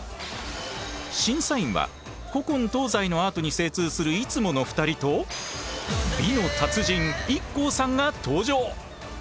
審査員は古今東西のアートに精通するいつもの２人と美の達人ＩＫＫＯさんが登場！